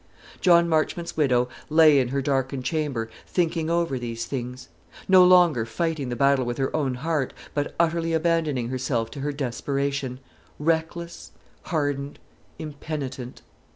John Marchmont's widow lay in her darkened chamber thinking over these things; no longer fighting the battle with her own heart, but utterly abandoning herself to her desperation, reckless, hardened, impenitent.